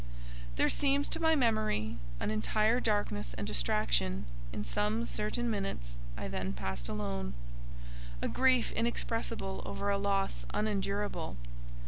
There seems, to my memory, an entire darkness and distraction in some certain minutes I then passed alone—a grief inexpressible over a loss unendurable.